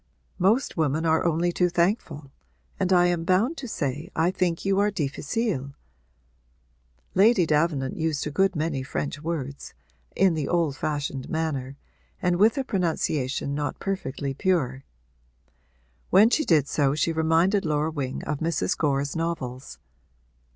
'Most women are only too thankful and I am bound to say I think you are difficile.' Lady Davenant used a good many French words, in the old fashioned manner and with a pronunciation not perfectly pure: when she did so she reminded Laura Wing of Mrs. Gore's novels.